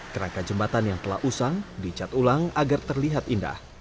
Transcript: kerangka jembatan yang telah usang dicat ulang agar terlihat indah